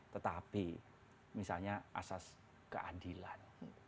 tetapi misalnya asas keadilan